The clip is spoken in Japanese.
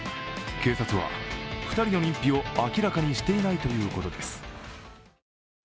警察は２人の認否を明らかにしていないということです。